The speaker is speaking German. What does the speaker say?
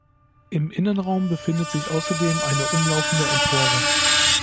Im Innenraum befindet sich außerdem eine umlaufende Empore.